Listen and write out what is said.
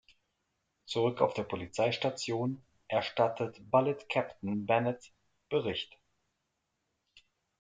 Zurück auf der Polizeistation erstattet Bullitt Captain Bennett Bericht.